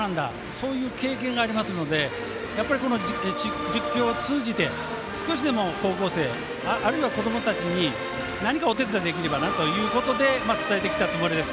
そういう経験がありますのでこの実況を通じて少しでも高校生あるいは子どもたちに何かお手伝いできればなということで伝えてきたつもりです。